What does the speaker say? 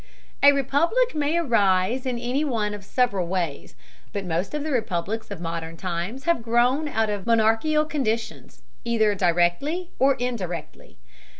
A republic may arise in any one of several ways, but most of the republics of modern times have grown out of monarchical conditions, either directly or indirectly.